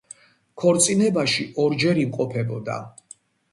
ქორწინებაში ორჯერ იმყოფებოდა.